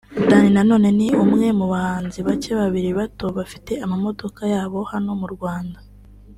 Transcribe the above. Danny Nanone ni umwe mu bahanzi bacye bakiri bato bafite amamodoka yabo hano mu Rwanda